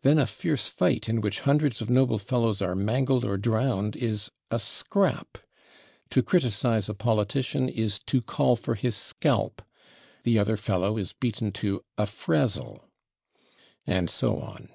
Then a fierce fight in which hundreds of noble fellows are mangled or drowned is a /scrap/.... To criticise a politician is to call for his /scalp/.... The other fellow is beaten to a /frazzle/." And so on.